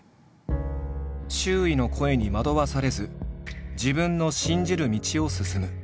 周囲の声に惑わされず自分の信じる道を進む。